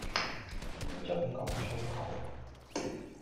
唔准講粗口